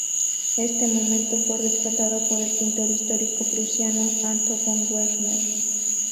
Este momento fue retratado por el pintor histórico prusiano Anton von Werner.